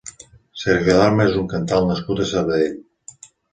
Sergio Dalma és un cantant nascut a Sabadell.